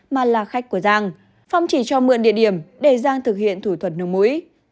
mà là khách của giang phong chỉ cho mượn địa điểm để giang thực hiện thủ thuật nước mũi